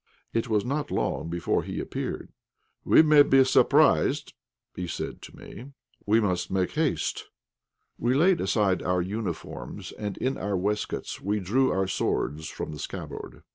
It was not long before he appeared. "We may be surprised," he said to me; "we must make haste." We laid aside our uniforms, and in our waistcoats we drew our swords from the scabbard.